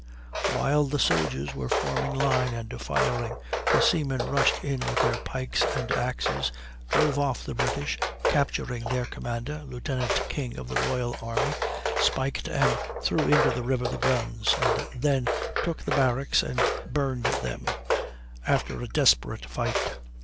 While the soldiers were forming line and firing, the seamen rushed in with their pikes and axes, drove off the British, capturing their commander, Lieut. King, of the Royal Army, spiked and threw into the river the guns, and then took the barracks and burned them, after a desperate fight.